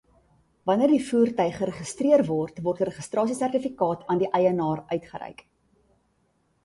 Wanneer die voertuig geregistreer word, word 'n registrasiesertifikaat aan die eienaar uitgereik.